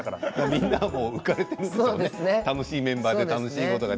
みんな浮かれて楽しいメンバーで楽しいことが